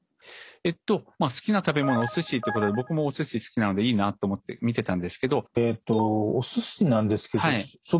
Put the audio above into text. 好きな食べ物お寿司っていうことで僕もお寿司好きなのでいいなと思って見てたんですけど。